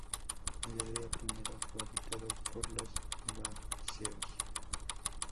El área primero fue habitado por los Vacceos.